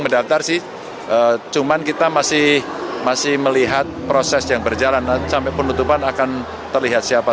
mendaftar sih cuman kita masih masih melihat proses yang berjalan sampai penutupan akan terlihat siapa